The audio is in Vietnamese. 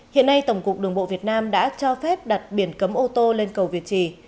hiện nay tổng cục đường bộ việt nam đã cho phép đặt biển cấm ô tô lên cầu việt trì